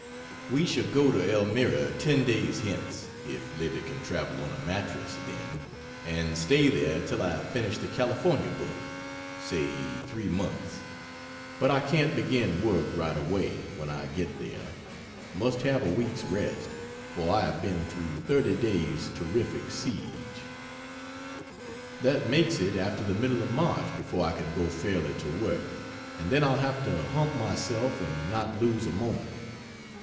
We shall go to Elmira ten days hence (if Livy can travel on a mattress then,) and stay there till I have finished the California book say three months. But I can't begin work right away when I get there must have a week's rest, for I have been through 30 days' terrific siege. That makes it after the middle of March before I can go fairly to work and then I'll have to hump myself and not lose a moment.